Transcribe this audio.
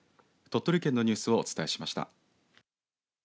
鳥取県のニュースをお伝えしました。